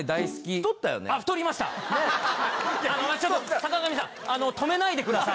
坂上さん止めないでください！